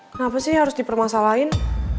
kenapa sih harus dipermasalahin